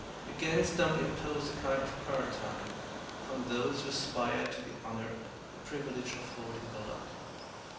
Again Stumpy imposed a kind of quarantine upon those who aspired to the honor and privilege of holding The Luck.